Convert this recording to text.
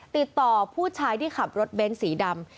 ติดต่อผู้ชายที่ขับรถเบ้นสีดำ